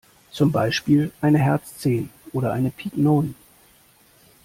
Zum Beispiel eine Herz zehn oder eine Pik neun.